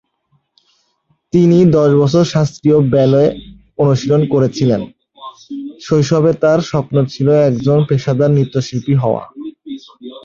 তিনি দশ বছর শাস্ত্রীয় ব্যালে অনুশীলন করেছিলেন, শৈশবে তাঁর স্বপ্ন ছিল একজন পেশাদার নৃত্যশিল্পী হওয়া।